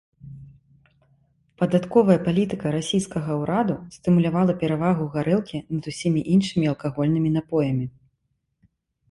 Падатковая палітыка расійскага ўраду стымулявала перавагу гарэлкі над усімі іншымі алкагольнымі напоямі.